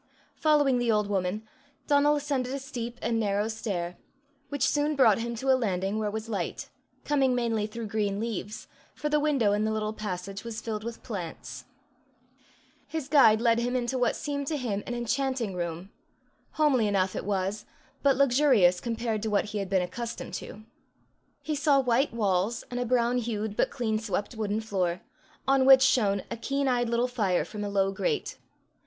Following the old woman, Donal ascended a steep and narrow stair, which soon brought him to a landing where was light, coming mainly through green leaves, for the window in the little passage was filled with plants. His guide led him into what seemed to him an enchanting room homely enough it was, but luxurious compared to what he had been accustomed to. He saw white walls and a brown hued but clean swept wooden floor, on which shone a keen eyed little fire from a low grate.